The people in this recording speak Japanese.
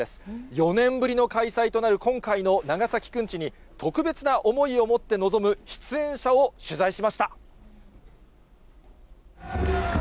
４年ぶりの開催となる今回の長崎くんちに、特別な思いを持って臨む出演者を取材しました。